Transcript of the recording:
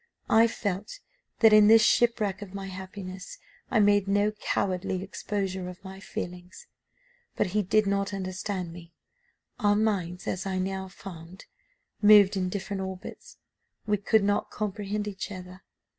I felt that in this shipwreck of my happiness I made no cowardly exposure of my feelings, but he did not understand me. Our minds, as I now found, moved in different orbits. We could not comprehend each other.